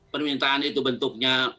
permintaan itu bentuknya